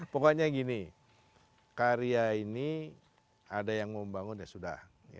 pokoknya gini karya ini ada yang mau membangun ya sudah